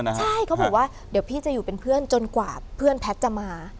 ใช่เขาบอกว่าเดี๋ยวพี่จะอยู่เป็นเพื่อนจนกว่าเพื่อนแพทย์จะมา